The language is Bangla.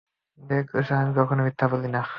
দেখ, লিসা, আমি কখনো মিথ্যা বলি না।